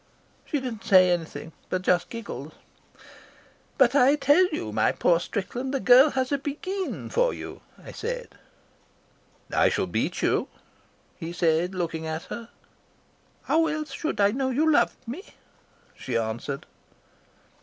"She did not say anything, but just giggled. "'But I tell you, my poor Strickland, the girl has a for you,' I said. "I shall beat you,' he said, looking at her. "'How else should I know you loved me,' she answered."